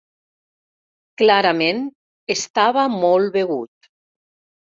Clarament estava mol begut.